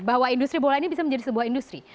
bahwa industri bola ini bisa menjadi sebuah industri